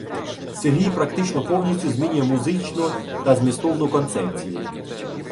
Сергій практично повністю змінює музичну та змістовну концепцію